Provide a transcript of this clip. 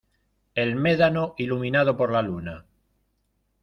el médano iluminado por la luna ;